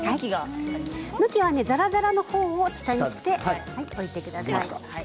巻きはざらざらの方を下にしておいてください。